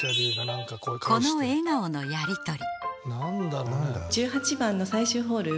この笑顔のやりとり